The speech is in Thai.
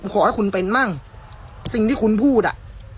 ขอให้คุณเป็นมั่งสิ่งที่คุณพูดอ่ะ